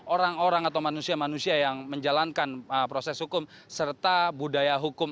orang orang atau manusia manusia yang menjalankan proses hukum serta budaya hukum